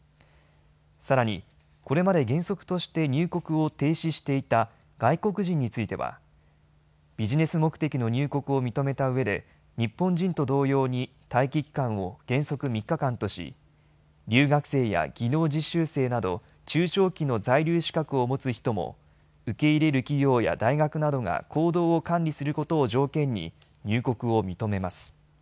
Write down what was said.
さらに、これまで原則として入国を停止していた外国人についてはビジネス目的の入国を認めたうえで日本人と同様に待機期間を原則３日間とし、留学生や技能実習生など中長期の在留資格を持つ人も受け入れる企業や大学などが行動を管理することを条件に入国を認めます。